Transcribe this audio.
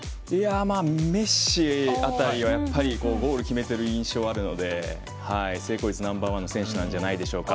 メッシ辺りはやっぱりゴールを決めてる印象があるので成功率ナンバー１の選手じゃないでしょうか？